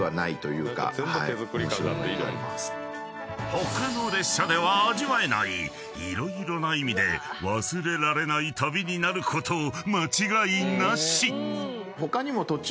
［他の列車では味わえない色々な意味で忘れられない旅になること間違いなし！］